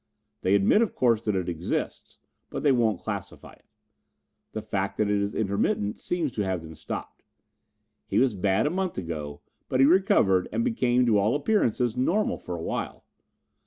They admit, of course, that it exists, but they won't classify it. The fact that it is intermittent seems to have them stopped. He was bad a month ago but he recovered and became, to all appearances, normal for a time.